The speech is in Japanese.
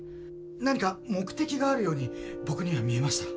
何か目的があるように僕には見えました。